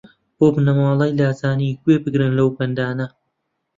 بۆ بنەماڵەی لاجانی گوێ بگرن لەو بەندانە